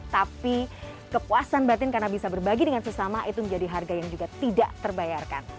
tapi kepuasan batin karena bisa berbagi dengan sesama itu menjadi harga yang juga tidak terbayarkan